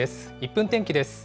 １分天気です。